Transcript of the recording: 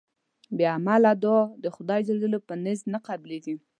بی عمله دوعا د خدای ج په نزد نه قبلېږي